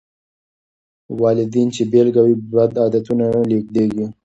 والدين چې بېلګه وي، بد عادتونه نه لېږدېږي.